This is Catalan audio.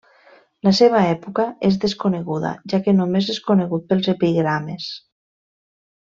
La seva època és desconeguda, ja que només és conegut pels epigrames.